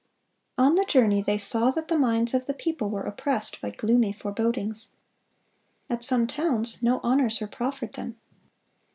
On the journey they saw that the minds of the people were oppressed by gloomy forebodings. At some towns no honors were proffered them.